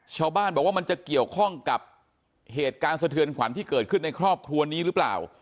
ชาวบ้านบอกว่ามันจะเกี่ยวข้องกับเหตุการณ์สะเทือนขวัญที่เกิดขึ้นในครอบครัวนี้หรือเปล่า